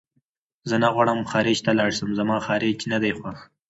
زه نه غواړم خارج ته لاړ شم زما خارج نه دی خوښ